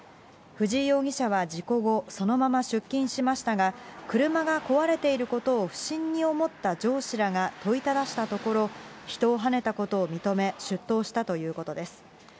藤井容疑者は事故後、そのまま出勤しましたが、車が壊れていることを不審に思った上司らが問いただしたところ、人をはねたことを認め、出頭したということです。